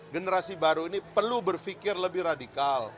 generasi baru ini perlu berpikir lebih radikal